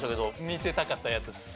見せたかったやつです